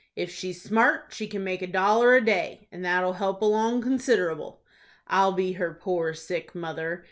"If she's smart, she can make a dollar a day, and that'll help along considerable. I'll be her poor sick mother.